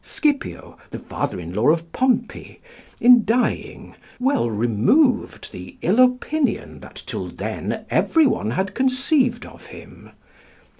Scipio, the father in law of Pompey, in dying, well removed the ill opinion that till then every one had conceived of him.